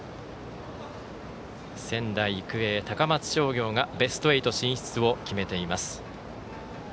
仙台育英、高松商業がベスト８進出を決めています。